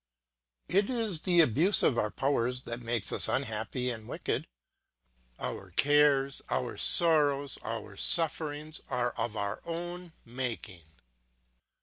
It is the abuse of our powers that makes us unhappy and wicked. Our cares, our sorrows, our sufferings are of our own making.